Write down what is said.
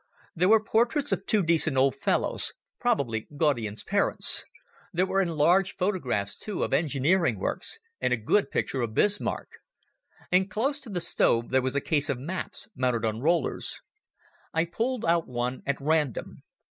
There were portraits of two decent old fellows, probably Gaudian's parents. There were enlarged photographs, too, of engineering works, and a good picture of Bismarck. And close to the stove there was a case of maps mounted on rollers. I pulled out one at random.